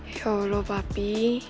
ya allah papi